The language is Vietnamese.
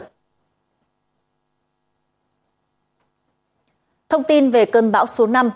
thông tin về cơn bão số năm